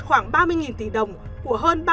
khoảng ba mươi tỷ đồng của hơn